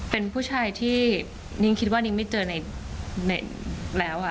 เป็นผู้ชายที่นิ้งคิดว่านิ้งไม่เจอในแล้ว